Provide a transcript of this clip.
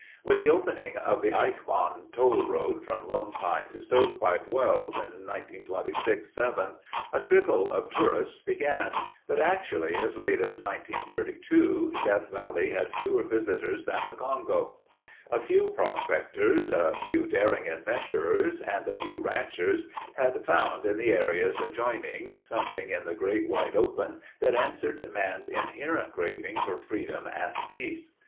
With the opening of the Eichbaum toll road from Lone Pine to Stovepipe Wells in 1926 7 a trickle of tourists began, but actually as late as 1932, Death Valley had fewer visitors than the Congo. A few prospectors, a few daring adventurers and a few ranchers had found in the areas adjoining, something in the great Wide Open that answered man's inherent craving for freedom and peace.